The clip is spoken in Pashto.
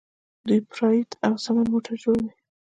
دوی پراید او سمند موټرې جوړوي.